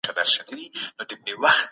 مسلمانانو خپل قوت په يو ځای کي ټول کړ.